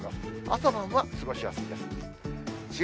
朝晩は過ごしやすいです。